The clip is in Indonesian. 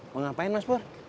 mau ngapain mas pur